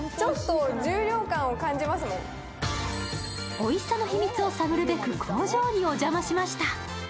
おいしさの秘密を探るべく工場にお邪魔しました。